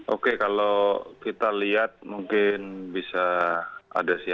oke kalau kita lihat mungkin bisa ada siapa